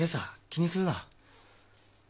気にするな。